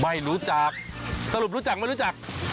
ไม่รู้จักสรุปรู้จักไม่รู้จัก